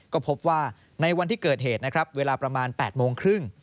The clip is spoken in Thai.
ก็พบว่าในวันที่เกิดเหตุนะครับเวลาประมาณ๘โมงครึ่ง